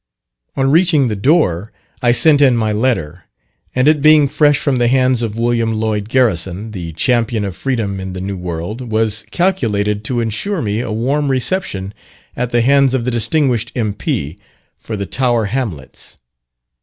On reaching the door, I sent in my letter; and it being fresh from the hands of William Lloyd Garrison, the champion of freedom in the New World, was calculated to insure me a warm reception at the hands of the distinguished M.P. for the Tower Hamlets.